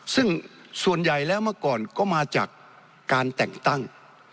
ซึ่งส่วนใหญ่แล้วเมื่อก่อนก็มาจากการแต่งตั้ง